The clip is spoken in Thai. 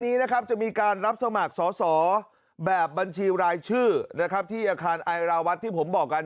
นี้นะครับจะมีการรับสมัครสอสอแบบบัญชีรายชื่อนะครับที่อาคารไอราวัฒน์ที่ผมบอกกัน